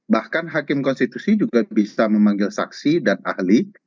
bahkan hakim konstitusi juga bisa memanggil saksi dan ahli